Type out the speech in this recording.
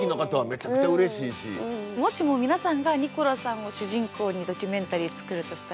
もしも皆さんがニコラさんを主人公にドキュメンタリー作るとしたら。